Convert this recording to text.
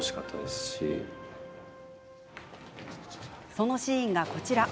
そのシーンが、こちら。